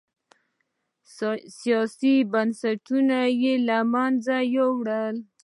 سیاسي بنسټونه یې له منځه یووړل.